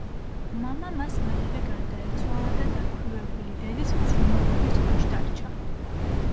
მამა მას მალე გარდაეცვალა და დაქვრივებული დედის მზრუნველობის ქვეშ დარჩა.